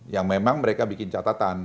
yang memang mereka bikin catatan